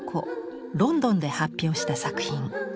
ロンドンで発表した作品。